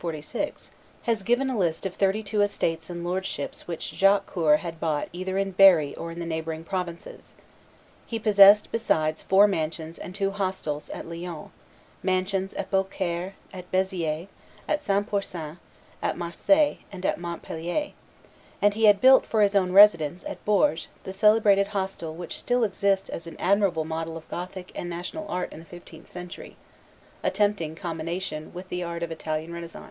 1 46] has given a list of thirty two estates and lordships which Jacques Coeur had bought either in Berry or in the neighboring provinces. He possessed, besides, four mansions and two hostels at Lyons; mansions at Beaucaire, at Beziers, at St. Pourcain, at Marseilles, and at Montpellier; and he had built, for his own residence, at Bourges, the celebrated hostel which still exists as an admirable model of Gothic and national art in the fifteenth century, attempting combination with the art of Italian renaissance.